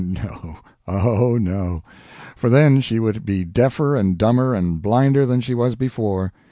No, oh, no; for then she would be deafer and dumber and blinder than she was before.